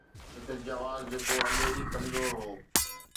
هڪ جواز جيڪو اڳ ۾ ئي ڪمزور هو.